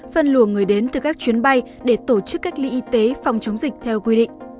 phân luồng người đến từ các chuyến bay để tổ chức cách ly y tế phòng chống dịch theo quy định